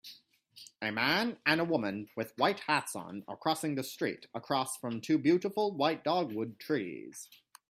A man and a woman with white hats on are crossing the street across from two beautiful white dogwood trees